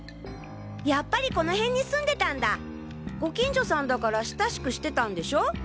やっぱりこの辺に住んでたんだご近所さんだから親しくしてたんでしょ？